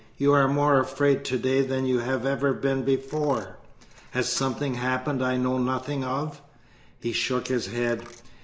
You are more afraid to day than you have ever been before. Has something happened I know nothing of?" He shook his head.